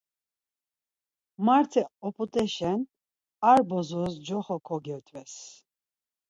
Marte oput̆eşen ar bozos coxo kogyodves.